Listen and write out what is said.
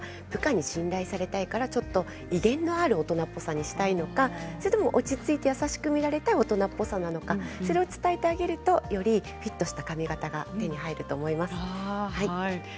部会に信頼されたいから威厳のある大人にしたいのか落ち着いた大人っぽさなのかそれを伝えてあげるとよりフィットした髪形が手に入ると思います。